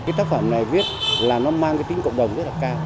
cái tác phẩm này viết là nó mang cái tính cộng đồng rất là cao